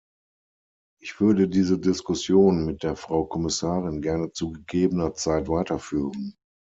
Ich würde diese Diskussion mit der Frau Kommissarin gerne zu gegebener Zeit weiterführen.